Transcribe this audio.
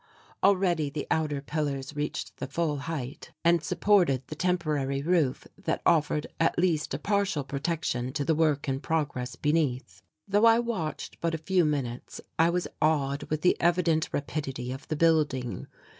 Already the outer pillars reached the full height and supported the temporary roof that offered at least a partial protection to the work in progress beneath. Though I watched but a few minutes I was awed with the evident rapidity of the building.